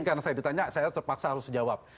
jadi saya tanya saya terpaksa harus jawab